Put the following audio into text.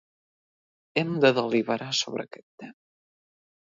Hem de deliberar sobre aquest tema.